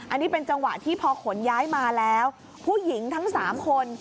อันนี้เป็นจังหวะที่พอขนย้ายมาแล้วผู้หญิงทั้ง๓คน